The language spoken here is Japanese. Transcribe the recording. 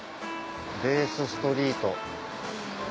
ベースストリート。